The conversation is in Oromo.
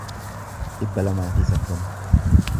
dhibba lamaa fi soddoma